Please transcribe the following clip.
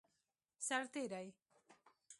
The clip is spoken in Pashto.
سرتیری